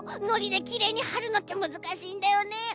のりでキレイにはるのってむずかしいんだよね。